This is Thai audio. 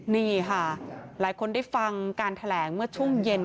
นี่ค่ะหลายคนได้ฟังการแถลงเมื่อช่วงเย็น